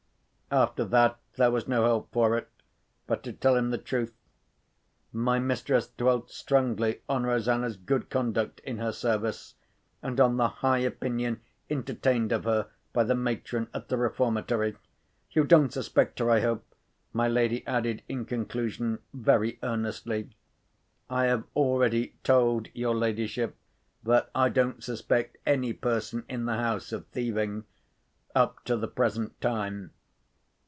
After that, there was no help for it, but to tell him the truth. My mistress dwelt strongly on Rosanna's good conduct in her service, and on the high opinion entertained of her by the matron at the Reformatory. "You don't suspect her, I hope?" my lady added, in conclusion, very earnestly. "I have already told your ladyship that I don't suspect any person in the house of thieving—up to the present time."